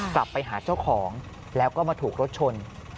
กลับไปหาเจ้าของแล้วก็มาถูกรถชน